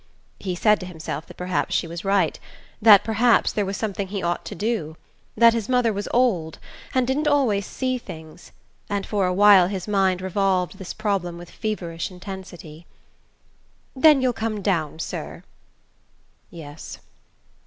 He said to himself that perhaps she was right ... that perhaps there was something he ought to do ... that his mother was old, and didn't always see things; and for a while his mind revolved this problem with feverish intensity.... "Then you'll come down, sir?" "Yes."